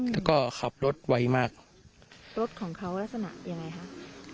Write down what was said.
แล้วก็ขับรถไวมากรถของเขาลักษณะยังไงคะ